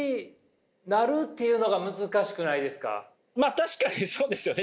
確かにそうですよね。